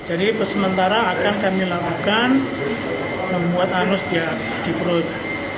jadi sementara akan kami lakukan membuat anus di perut